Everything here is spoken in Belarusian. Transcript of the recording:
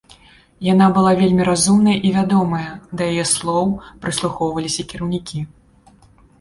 Яна была вельмі разумная і вядомая, да яе слоў прыслухоўваліся кіраўнікі.